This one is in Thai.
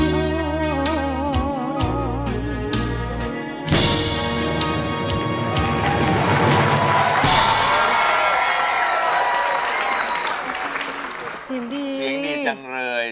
เสียงดีจังเลย